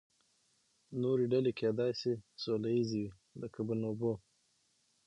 نورې ډلې کیدای شي سوله ییزې وي، لکه بونوبو.